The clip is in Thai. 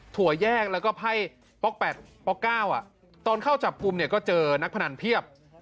ถั่วแยกแล้วก็ไพ่ป๊อก๘ป๊อก๙ตอนเข้าจับกลุ่มเนี่ยก็เจอนักพนันเพียบ